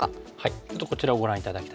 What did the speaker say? ちょっとこちらをご覧頂きたいです。